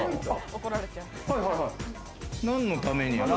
何のために？